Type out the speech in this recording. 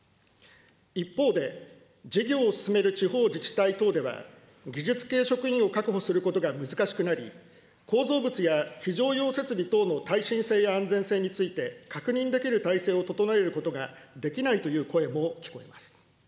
一方で、事業を進める地方自治体等では、技術系職員を確保することが難しくなり、構造物や非常用設備等の耐震性や安全性について確認できる体制を整えることができないという声も聞こえます。